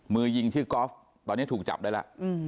มือยิงชื่อกอล์ฟตอนนี้ถูกจับได้แล้ว